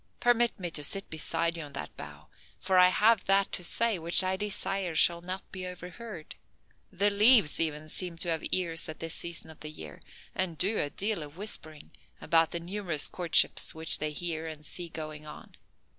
Permit me to sit beside you on that bough, for I have that to say which I desire shall not be overheard. The leaves even seem to have ears at this season of the year, and do a deal of whispering about the numerous courtships which they hear and see going on."